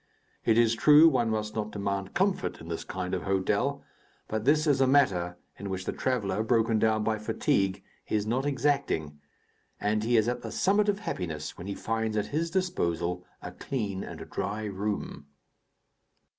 It is true, one must not demand comfort in this kind of hotel; but this is a matter in which the traveller, broken down by fatigue, is not exacting, and he is at the summit of happiness when he finds at his disposal a clean and dry room.